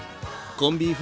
コンビーフ